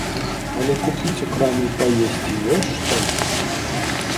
Але купіць у краме і паесці ёсць што?